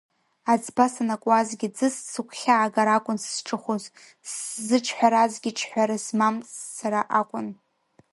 Аӡба санакуазгьы, ӡыс сыгәхьаагара акәын сызҿыхәоз, сзыҿҳәаразгьы ҿҳәара змам сцара акәын.